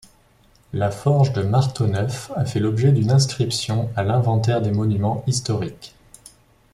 La forge de Marteauneuf a fait l'objet d'une inscription à l'inventaire des monuments historiques.